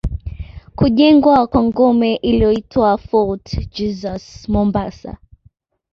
Kujengwa kwa ngome iliyoitwa Fort Jesus Mombasa